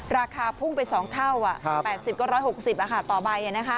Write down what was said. ราคาพุ่งไป๒เท่า๘๐ก็๑๖๐อ่ะค่ะต่อใบอ่ะนะคะ